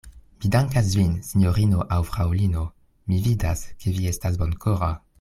Mi dankas vin, sinjorino aŭ fraŭlino; mi vidas, ke vi estas bonkora.